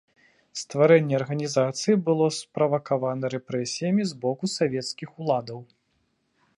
Стварэнне арганізацыі было справакавана рэпрэсіямі з боку савецкіх уладаў.